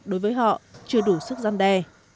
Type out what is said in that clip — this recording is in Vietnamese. đối với họ chưa đủ sức gian đe